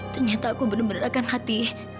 ternyata aku bener bener akan mati